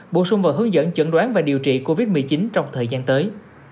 bổ sung vào hướng dẫn chẩn đoán và điều trị covid một mươi chín trong thời gian tới